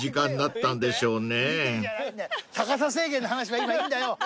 高さ制限の話は今いいんだよ。